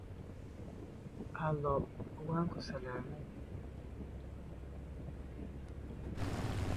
You don't see me up here with a big chart and a stick.